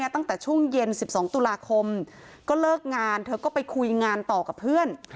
ตั้งแต่ช่วงเย็น๑๒ตุลาคมก็เลิกงานเธอก็ไปคุยงานต่อกับเพื่อน